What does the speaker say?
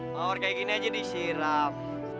mawar kayak gini aja disiram